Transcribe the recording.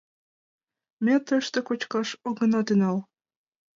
— Ме тыште кочкаш огына тӱҥал.